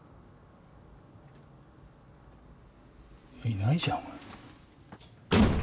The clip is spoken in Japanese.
いないじゃん。